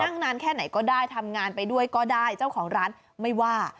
นานแค่ไหนก็ได้ทำงานไปด้วยก็ได้เจ้าของร้านไม่ว่า